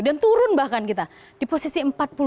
dan turun bahkan kita di posisi empat puluh satu